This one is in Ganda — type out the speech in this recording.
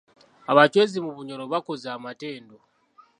Abachwezi mu bunyoro bakoze amatendo.